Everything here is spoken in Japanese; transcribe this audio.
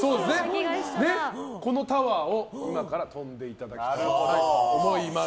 このタワーを今から跳んでいただきたいと思います。